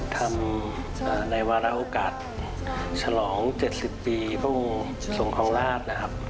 ทำในวารอกาสฉลอง๗๐ปีเพราะผมสงครองราชนะครับ